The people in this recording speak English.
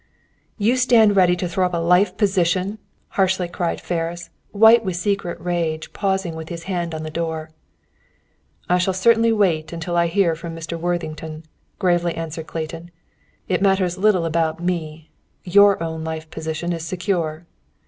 "You stand ready to throw up a life position?" harshly cried Ferris, white with secret rage pausing with his hand on the door. "I shall certainly wait until I hear from Mr. Worthington," gravely answered Clayton. "It matters little about me. Your own life position is secure!"